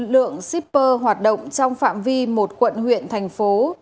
lượng shipper hoạt động trong phạm vi một quận huyện tp hcm